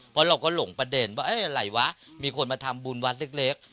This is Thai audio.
เพราะเราก็หลงประเด็นว่าอะไรวะมีคนมาทำบุญวัดเล็ก